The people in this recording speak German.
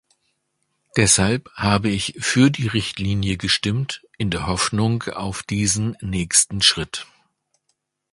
Deshalb habe ich für die Richtlinie gestimmt, in der Hoffnung auf diesen nächsten Schritt.